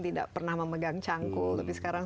tidak pernah memegang cangkul tapi sekarang